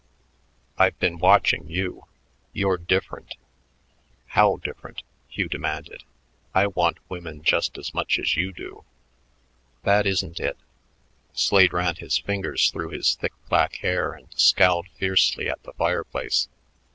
I've been watching you. You're different." "How different?" Hugh demanded. "I want women just as much as you do." "That isn't it." Slade ran his fingers through his thick black hair and scowled fiercely at the fireplace.